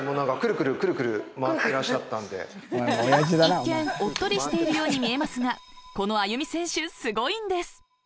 一見、おっとりしているように見えますがこのあゆみ選手すごいんです。